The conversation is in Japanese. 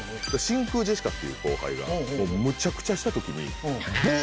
真空ジェシカっていう後輩がむちゃくちゃした時にブ！